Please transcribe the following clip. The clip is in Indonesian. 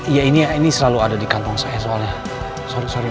ia ini ini selalu ada di kantong saya soalnya sorry sorry ma